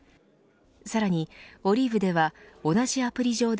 さらにＯｌｉｖｅでは同じアプリ上で